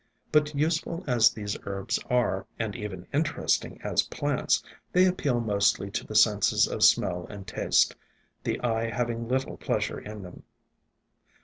But useful as these herbs are, and even interesting as plants, they appeal mostly to the senses of smell and taste, the eye having little pleasure in them.